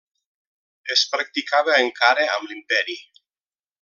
Es practicava encara amb l'Imperi.